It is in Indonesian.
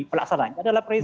pelaksanaannya adalah presiden